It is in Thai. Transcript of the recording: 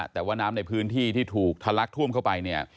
แต่ว่าน้ำในพื้นที่ที่ถูกทะลักท่วมเข้าไปเนี่ย